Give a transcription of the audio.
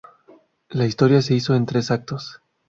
La historia se hizo en tres actos.